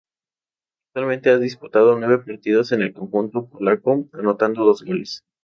Actualmente ha disputado nueve partidos con el conjunto polaco, anotando dos goles.